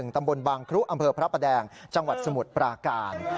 ตำบลบางครุอำเภอพระประแดงจังหวัดสมุทรปราการ